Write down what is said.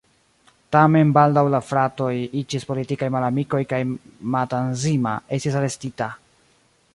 Tamen baldaŭ la fratoj iĝis politikaj malamikoj kaj Matanzima estis arestita.